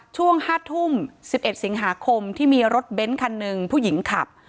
ช่วง๕ทุ่ม๑๑สิงหาคมที่มีรถเบ้นคันหนึ่งผู้หญิงขับ